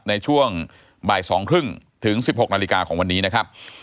ในช่วงบ่าย๒๓๐ถึง๑๖นาฬิกาของวันนี้นะครับ